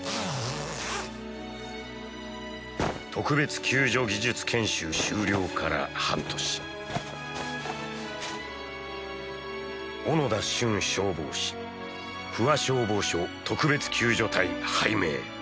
特別救助技術研修修了から半年不破消防署特別救助隊拝命！